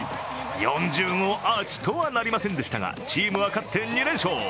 ４０号アーチとはなりませんでしたが、チームは勝って２連勝。